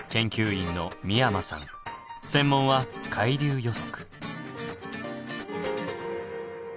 専門は海流予測。